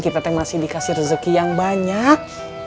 kita masih dikasih rezeki yang banyak